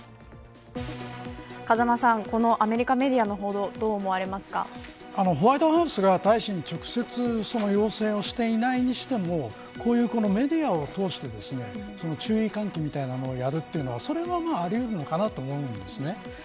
風間さん、このアメリカメディアの報道ホワイトハウスが大使に直接その要請をしていないにしてもメディアを通して注意喚起みたいなものやるというのはあり得るのかなと思います。